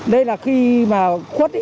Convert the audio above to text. đây là khi mà khuất